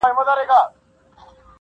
بوډا ژړل ورته یوازي څو کیسې یادي وې-